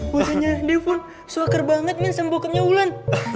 lihatlah wajahnya dia sangat berbakat men dengan bokapnya ulan